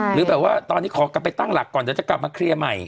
หรือแบบว่าตอนนี้ขอกลับไปตั้งหลักก่อนเดี๋ยวจะกลับมาเคลียร์ใหม่